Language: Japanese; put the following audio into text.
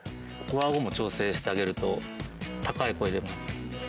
上顎も調整してあげると高い声出ます。